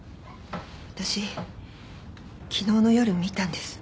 私昨日の夜見たんです。